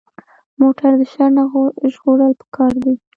موټر د شر نه ژغورل پکار دي.